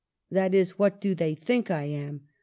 that is, what do they think I am?